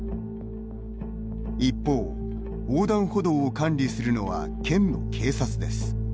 一方、横断歩道を管理するのは県の警察です。